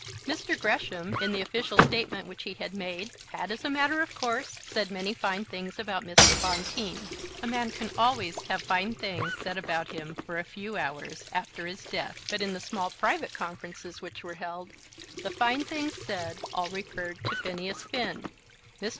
Mr. Gresham, in the official statement which he had made, had, as a matter of course, said many fine things about Mr. Bonteen. A man can always have fine things said about him for a few hours after his death. But in the small private conferences which were held the fine things said all referred to Phineas Finn. Mr.